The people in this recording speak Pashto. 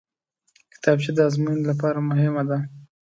کتابچه د ازموینې لپاره مهمه ده